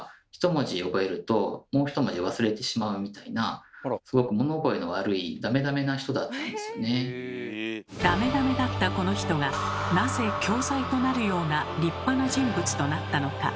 最後はすごい人になったんですけどもダメダメだったこの人がなぜ教材となるような立派な人物となったのか。